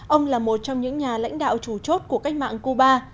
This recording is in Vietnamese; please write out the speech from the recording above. ông là một trong những nhà lãnh đạo chủ chốt của cách mạng cuba